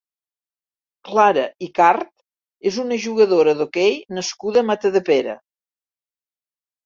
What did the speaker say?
Clara Ycart és una jugadora d'hoquei nascuda a Matadepera.